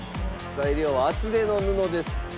材料は厚手の布です。